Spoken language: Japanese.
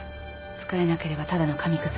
使えなければただの紙くず。